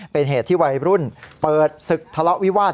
เป็นเหตุที่วัยรุ่นเปิดศึกทะเลาะวิวาส